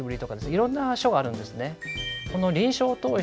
いろんな書があるんですね。